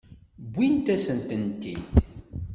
Wwint-asent-ten-id.